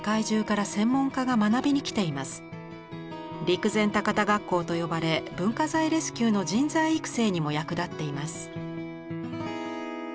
「陸前高田学校」と呼ばれ文化財レスキューの人材育成にも役立っています。